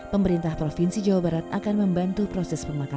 pemerintah provinsi jawa barat akan membantu proses pemakaman